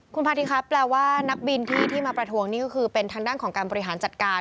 คุณพาธิครับแปลว่านักบินที่มาประทวงนี่ก็คือเป็นทางด้านของการบริหารจัดการ